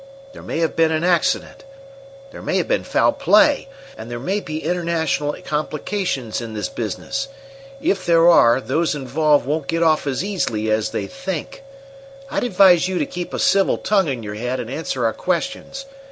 There may have been an accident; there may have been foul play; and there may be international complications in this business. If there are, those involved won't get off as easily as they think. I'd advise you to keep a civil tongue in your head and answer our questions.